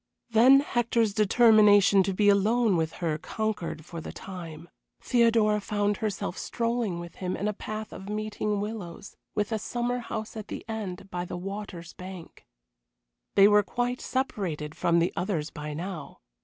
Then Hector's determination to be alone with her conquered for the time. Theodora found herself strolling with him in a path of meeting willows, with a summer house at the end, by the water's bank. They were quite separated from the others by now.